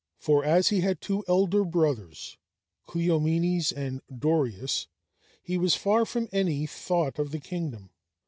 For, as he had two elder brothers, Cleomenes and Dorieus, he was far from any thought of the kingdom.